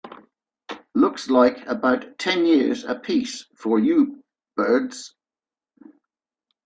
Looks like about ten years a piece for you birds.